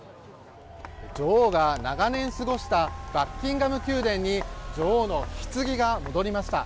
女王が長年過ごしたバッキンガム宮殿に女王のひつぎが戻りました。